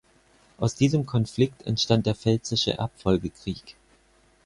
Aus diesem Konflikt entstand der pfälzische Erbfolgekrieg.